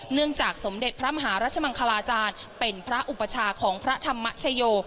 เนื่องจากสมเด็จพระมหารัชมังคลาจารย์เป็นพระอุปชาของพระธรรมชโย